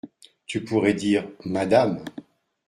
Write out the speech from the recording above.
Tu pourrais dire : «Madame».